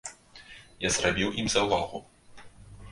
Я зрабіў ім заўвагу.